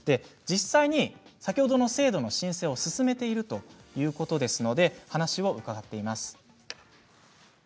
実際に先ほどの制度の申請を進めているということでお話を伺いました。